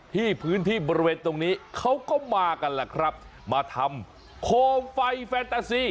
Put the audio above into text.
ที่พื้นที่บริเวณตรงนี้เขาก็มากันแหละครับมาทำโคมไฟแฟนตาซี